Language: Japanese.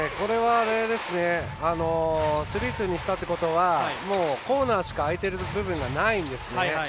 ３−２にしたということはコーナーしか空いてる部分ないんですね。